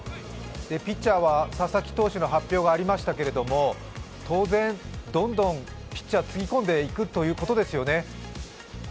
ピッチャーは佐々木投手の発表がありましたけども当然、どんどんピッチャーつぎ込んでいくということですよね。